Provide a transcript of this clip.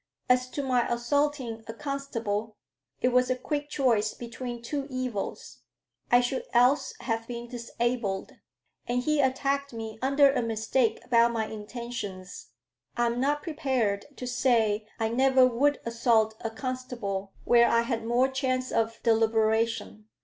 As to my assaulting a constable, it was a quick choice between two evils: I should else have been disabled. And he attacked me under a mistake about my intentions. I'm not prepared to say I never would assault a constable where I had more chance of deliberation.